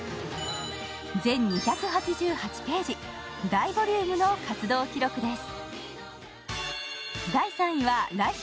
全２８８ページ、大ボリュームの活動記録です。